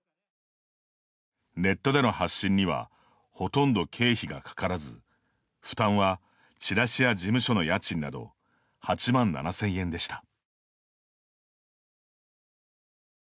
ネットでの発信にはほとんど経費がかからず負担はチラシや事務所の家賃など８万７千円でした。